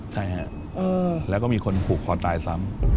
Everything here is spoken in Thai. ใช่ฮะแล้วก็มีคนผูกคอตายซ้ำ